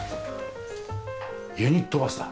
ユニットバスだ。